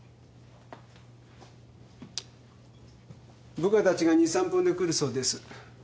部下たちが２、３分で来るそうです。